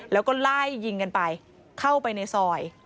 แล้วก็ไล่ยิงกันไปเข้าไปในซอย